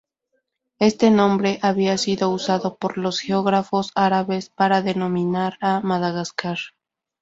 Este nombre había sido usado por los geógrafos árabes para denominar a Madagascar.